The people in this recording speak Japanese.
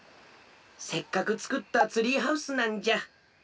せっかくつくったツリーハウスなんじゃ。